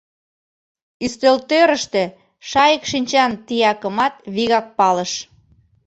Ӱстелтӧрыштӧ шайык шинчан тиякымат вигак палыш.